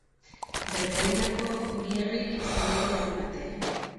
Bretainiako bi herrik izen hori daramate.